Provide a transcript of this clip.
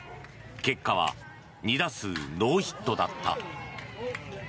結果は２打数ノーヒットだった。